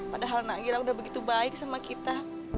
padahal nagira udah begitu baik sama kita